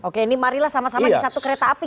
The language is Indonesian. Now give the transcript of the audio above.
oke ini marilah sama sama di satu kereta api